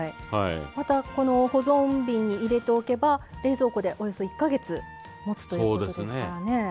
またこの保存瓶に入れておけば冷蔵庫でおよそ１か月もつということですからね。